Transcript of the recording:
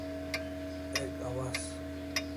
Ek awaz